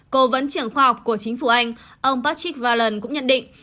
cố vấn trưởng khoa học của chính phủ anh ông patrick vallen cũng nhận định